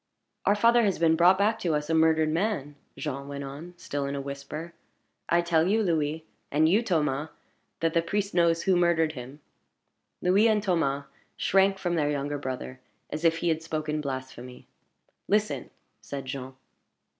"Our father has been brought back to us a murdered man!" Jean went on, still in a whisper. "I tell you, Louis and you, Thomas that the priest knows who murdered him." Louis and Thomas shrank from their younger brother as if he had spoken blasphemy. "Listen," said Jean.